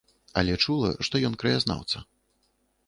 Але чула, што ён краязнаўца.